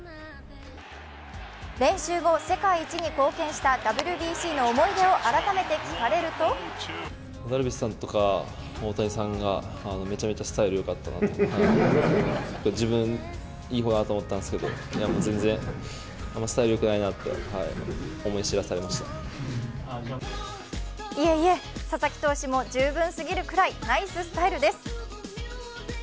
練習後、世界一に貢献したＷＢＣの思い出を改めて聞かれるといえいえ、佐々木投手も十分すぎるくらいナイススタイルです。